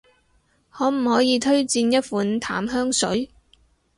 可唔可以推薦一款淡香水？